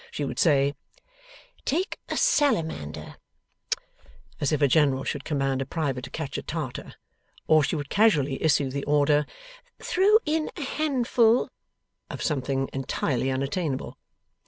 She would say, 'Take a salamander,' as if a general should command a private to catch a Tartar. Or, she would casually issue the order, 'Throw in a handful ' of something entirely unattainable.